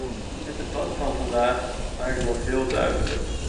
Het debat van vandaag maakt dat heel duidelijk.